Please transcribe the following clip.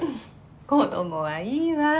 子どもはいいわ。